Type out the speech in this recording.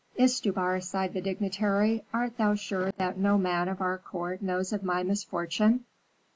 "Istubar," sighed the dignitary, "art thou sure that no man of our court knows of my misfortune?"